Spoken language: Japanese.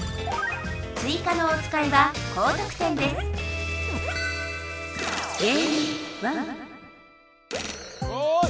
追加のおつかいは高得点ですおい